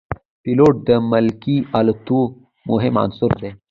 پیلوټ د ملکي الوتنو مهم عنصر دی.